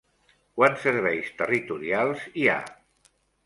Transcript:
Quants serveis territorials hi ha?